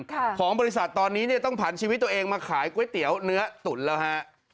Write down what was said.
ของบริษัทตอนนี้เนี่ยต้องผ่านชีวิตตัวเองมาขายก๋วยเตี๋ยวเนื้อตุ๋นแล้วฮะ